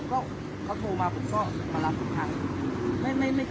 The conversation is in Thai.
ตอนนี้กำหนังไปคุยของผู้สาวว่ามีคนละตบ